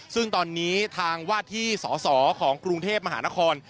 ซึ่งตอนนี้ทางวาดที่สสของกรุงเทพมหานคร